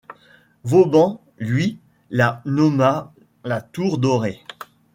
Vauban, lui, la nomma la tour dorée.